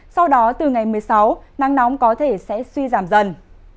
sau đó từ ngày một mươi sáu nắng nóng có thể sẽ suy giảm dần